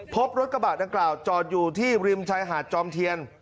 พบรถกระบะดังกล่าวจอดอยู่ที่ริมชายหาดจอมเทียน